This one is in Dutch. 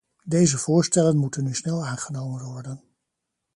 Deze voorstellen moeten nu snel aangenomen worden.